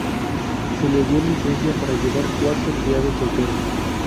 Se le dio licencia para llevar cuatro criados solteros.